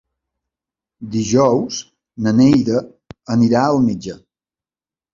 Dijous na Neida anirà al metge.